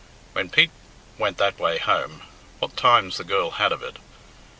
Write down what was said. When Pete went that way home, what times the girl had of it!